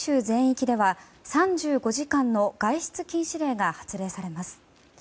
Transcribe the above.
全域では３５時間の外出禁止令が発令されます。